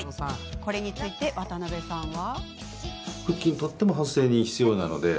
これについて渡邊さんは。